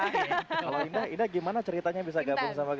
kalau indah gimana ceritanya bisa gabung sama